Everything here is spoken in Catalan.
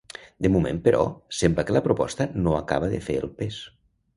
De moment, però, sembla que la proposta no acaba de fer el pes.